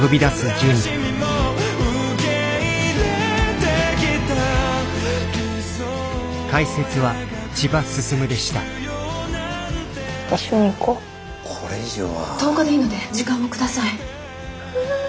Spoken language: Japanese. １０日でいいので時間を下さい。